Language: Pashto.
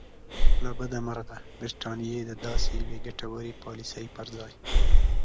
له بده مرغه برټانیې د داسې یوې ګټورې پالیسۍ پر ځای.